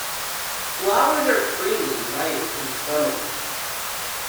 Flowers are creamy-white in summer.